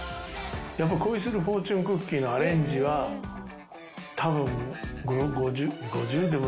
『恋するフォーチュンクッキー』のアレンジはたぶん。